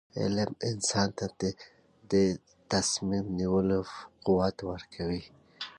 علم انسان ته د تصمیم نیولو قوت ورکوي.